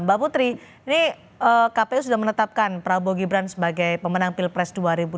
mbak putri ini kpu sudah menetapkan prabowo gibran sebagai pemenang pilpres dua ribu dua puluh